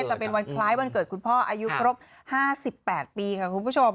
จะเป็นวันคล้ายวันเกิดคุณพ่ออายุครบ๕๘ปีค่ะคุณผู้ชม